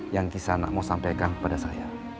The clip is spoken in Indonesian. yang kisah anak mau sampaikan kepada saya